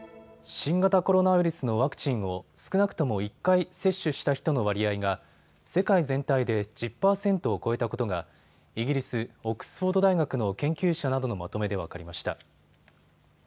新型コロナウイルスのワクチンを少なくとも１回接種した人の割合が世界全体で１０％を超えたことがイギリス・オックスフォード大学の研究者などのまとめで分かりました。